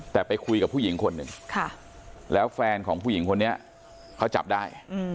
แต่ไปคุยกับผู้หญิงคนหนึ่งแล้วแฟนของผู้หญิงคนนี้เขาจับได้